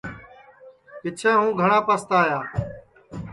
پِچھیں ہُوں گھٹؔا پستایا